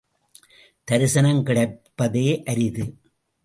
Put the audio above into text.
தரிசனம் கிடைப்பதே அரிது.